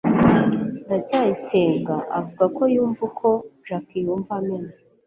ndacyayisenga avuga ko yumva uko jaki yumva ameze